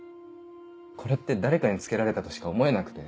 これって誰かにつけられたとしか思えなくて。